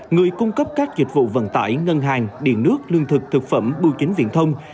người cung cấp các dịch vụ vận tải ngân hàng điện nước lương thực thực phẩm bưu chính viện thông